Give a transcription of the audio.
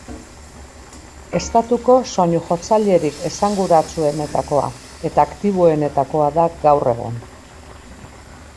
Estatuko soinu-jotzailerik esanguratsuenetakoa eta aktiboenetakoa da gaur egun.